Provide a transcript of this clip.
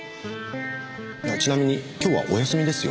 ちなみに今日はお休みですよ？